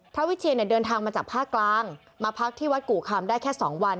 วิเชียนเนี่ยเดินทางมาจากภาคกลางมาพักที่วัดกู่คำได้แค่๒วัน